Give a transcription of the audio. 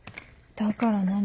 だから何？